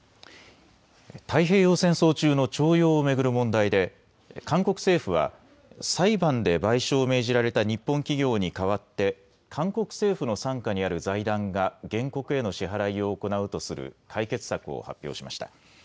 太平洋戦争中の徴用を巡る問題で韓国政府は裁判で賠償を命じられた日本企業に代わって韓国政府の傘下にある財団が原告への支払いを行うとする解決策を発表しました。